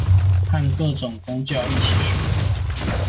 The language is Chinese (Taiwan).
和各種宗教一起說謊